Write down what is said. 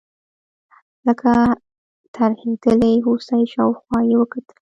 لکه ترهېدلې هوسۍ شاوخوا یې وکتل.